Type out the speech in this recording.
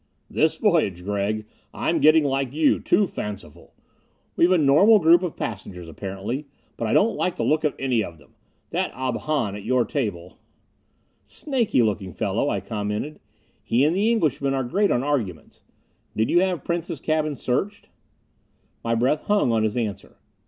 "This voyage! Gregg, I'm getting like you too fanciful. We've a normal group of passengers, apparently; but I don't like the look of any of them. That Ob Hahn, at your table " "Snaky looking fellow," I commented. "He and the Englishman are great on arguments. Did you have Prince's cabin searched?" My breath hung on his answer.